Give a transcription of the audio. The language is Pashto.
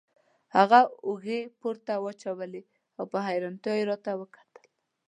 هغه اوږې پورته واچولې او په حیرانتیا یې راته وکتل.